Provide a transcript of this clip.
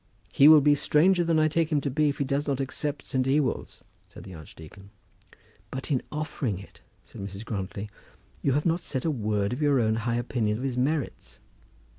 "He will be stranger than I take him to be if he does not accept St. Ewolds," said the archdeacon. "But in offering it," said Mrs. Grantly, "you have not said a word of your own high opinion of his merits."